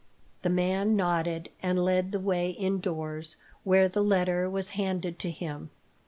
The man nodded, and led the way indoors, where the letter was handed to him.